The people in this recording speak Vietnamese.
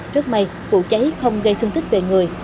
rất may vụ cháy không gây thương tích về người